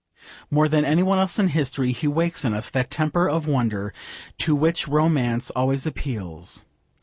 More than any one else in history he wakes in us that temper of wonder to which romance always appeals.